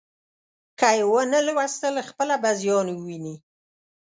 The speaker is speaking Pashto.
که یې ونه ولوستل، خپله به زیان وویني.